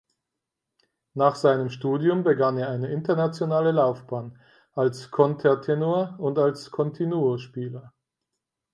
Nach seinem Studium begann er eine internationale Laufbahn als Countertenor und als Continuo-Spieler.